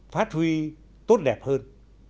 phát huy tốt đẹp hơn